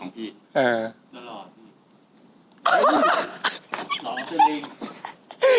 แปลวะ